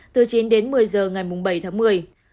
từ chín đến một mươi giờ ngày bảy tháng một mươi